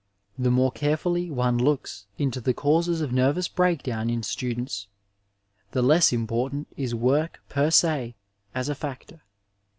The more carefully one looks into the causes of nervous break* down in students, the less important is work per «e as a factor.